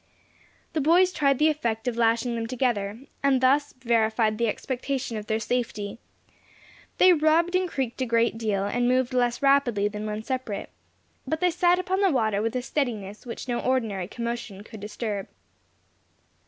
The boys tried the effect of lashing them together, and thus verified the expectation of their safety; they rubbed and creaked a good deal, and moved less rapidly than when separate, but they sat upon the water with a steadiness which no ordinary commotion could disturb.